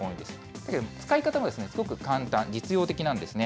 だけれども、使い方はすごく簡単、実用的なんですね。